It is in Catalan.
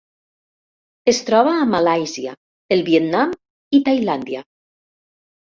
Es troba a Malàisia, el Vietnam i Tailàndia.